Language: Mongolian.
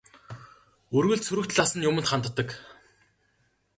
Үргэлж сөрөг талаас нь юманд ханддаг.